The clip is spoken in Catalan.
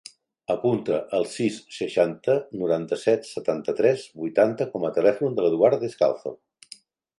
Apunta el sis, seixanta, noranta-set, setanta-tres, vuitanta com a telèfon de l'Eduard Descalzo.